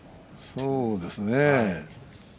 そうですね。